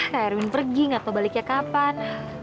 kak erwin pergi gak tau baliknya kapan